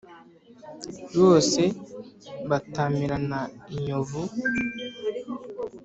bose batamirana inyovu.